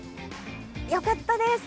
よかったです。